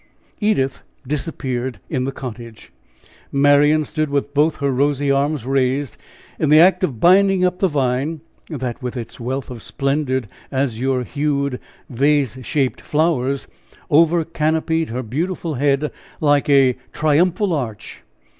Edith disappeared in the cottage. Marian stood with both her rosy arms raised, in the act of binding up the vine, that with its wealth of splendid azure hued, vase shaped flowers, over canopied her beautiful head like a triumphal arch.